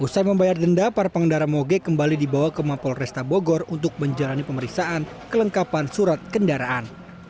usai membayar denda para pengendara moge kembali dibawa ke mapol resta bogor untuk menjalani pemeriksaan kelengkapan surat kendaraan